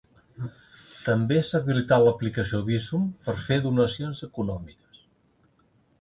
També s'ha habilitat l'aplicació Bizum per fer donacions econòmiques.